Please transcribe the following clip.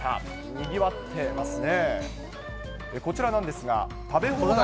にぎわってますね。